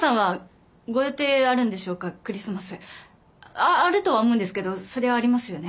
ああるとは思うんですけどそりゃありますよね。